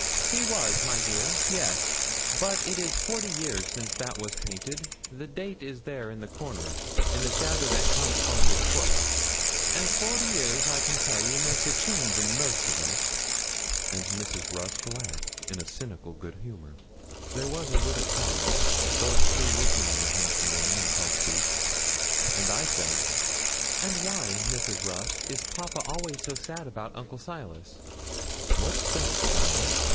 'He was, my dear yes; but it is forty years since that was painted the date is there in the corner, in the shadow that comes from his foot, and forty years, I can tell you, makes a change in most of us;' and Mrs. Rusk laughed, in cynical good humour. There was a little pause, both still looking on the handsome man in top boots, and I said 'And why, Mrs. Rusk, is papa always so sad about Uncle Silas?' 'What's that, child?'